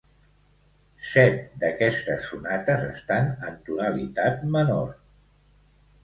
Set d'aquestes sonates estan en tonalitat menor.